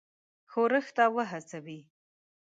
ښورښ ته وهڅوي.